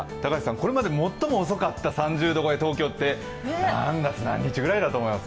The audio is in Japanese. これまで最も遅かった３０度超え、東京で何月何日だと思います？